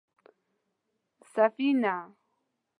_سفينه؟